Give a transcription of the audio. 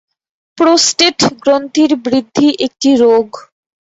Prostate গ্রন্থির বৃদ্ধি একটি রোগ।